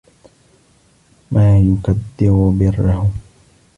مَا يُكَدِّرُ بِرَّهُ